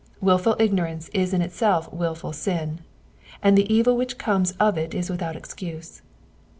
Wilful ignorance is in itself wilful sin, and the evil which comes of it is without excuse.